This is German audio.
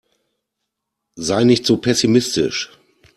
Sei nicht so pessimistisch.